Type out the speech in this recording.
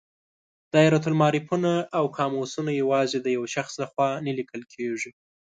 دایرة المعارفونه او قاموسونه یوازې د یو شخص له خوا نه لیکل کیږي.